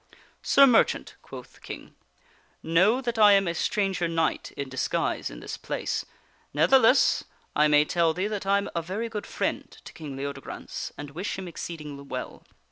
" Sir Merchant," quoth the King, " know that I am a stranger knight in disguise in this place. Ne'theless, I may tell thee that I am a very good friend to King Leodegrance and wish him exceeding well.